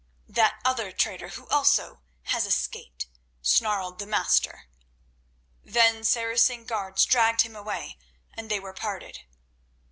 "That other traitor who also has escaped," snarled the Master. Then Saracen guards dragged him away, and they were parted.